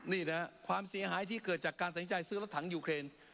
นี่นะครับความเสียหายที่เกิดจากการสนใจซื้อรถถังยูเครน